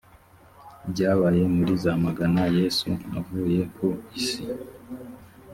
byabaye muri za magana yesu avuye ku isi